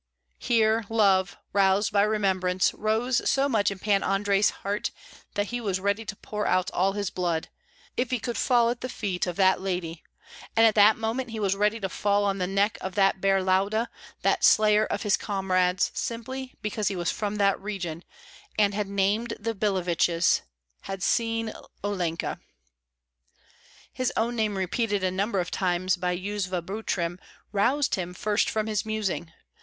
Here love, roused by remembrance, rose so much in Pan Andrei's heart that he was ready to pour out all his blood, if he could fall at the feet of that lady; and at that moment he was ready to fall on the neck of that bear of Lauda, that slayer of his comrades, simply because he was from that region, had named the Billeviches, had seen Olenka. His own name repeated a number of times by Yuzva Butrym roused him first from his musing.